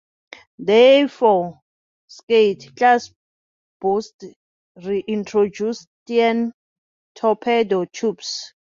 The four "Skate" class boats re-introduced stern torpedo tubes.